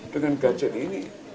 dengan gadget ini